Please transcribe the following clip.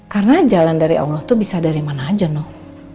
karena jalan dari allah tuh bisa dari mana aja noh